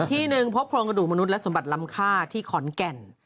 อีกที่นึงพบครองกระดูกมนุษย์และสมบัติรรมค่าที่ขอนแก่น